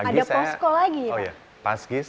ada posko lagi ya pak